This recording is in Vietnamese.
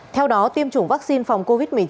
theo đó tiêm chủng vaccine phòng covid một mươi chín